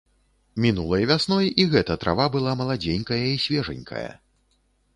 Мінулай вясной і гэта трава была маладзенькая і свежанькая.